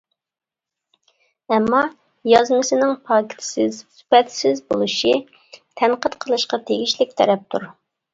ئەمما، يازمىسىنىڭ پاكىتسىز، سۈپەتسىز بولۇشى تەنقىد قىلىشقا تېگىشلىك تەرەپتۇر.